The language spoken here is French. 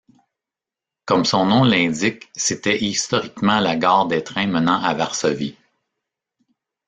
Comme son nom l'indique, c'était historiquement la gare des trains menant à Varsovie.